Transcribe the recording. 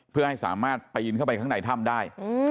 เพื่อให้สามารถปีนเข้าไปข้างในถ้ำได้